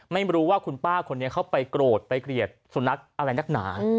ไม่รู้ว่าคุณป้าคนนี้เขาไปโกรธไปเกลียดสุนัขอะไรนักหนา